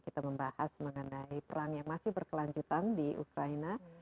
kita membahas mengenai perang yang masih berkelanjutan di ukraina